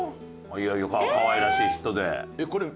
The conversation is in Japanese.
いやいやかわいらしい人で。